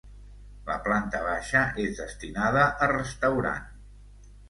La planta baixa és destinada a restaurant.